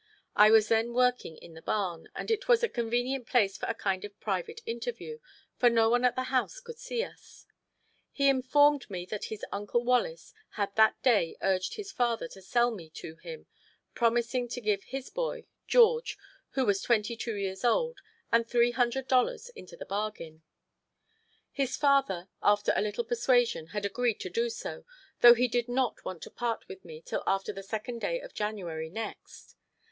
I was then working in the barn, and it was a convenient place for a kind of private interview, for no one at the house could see us. He informed me that his Uncle Wallace had that day urged his father to sell me to him, promising to give his boy, George, who was twenty two years old, and $300 into the bargain. His father, after a little persuasion, had agreed to do so, though he did not want to part with me till after the second day of January next.